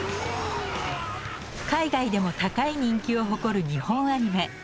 海外でも高い人気を誇る日本アニメ。